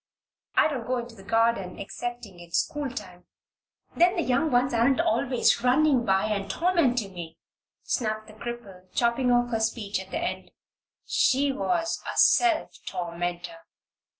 "I don't go into the garden excepting in schooltime. Then the young ones aren't always running by and tormenting me," snapped the cripple, chopping off her speech at the end. She was a self tormentor.